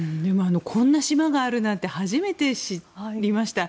こんな島があるなんて初めて知りました。